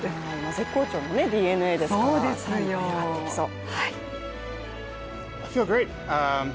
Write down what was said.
絶好調のＤｅＮＡですから、盛り上がっていきそう。